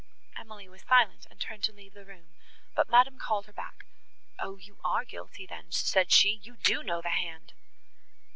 Emily was silent, and turned to leave the room, but Madame called her back. "O you are guilty, then," said she, "you do know the hand."